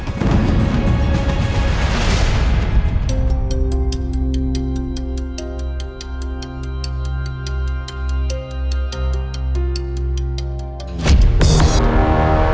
tuanku cuma punya pilihan